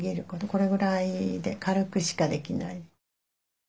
これぐらいで軽くしかできない。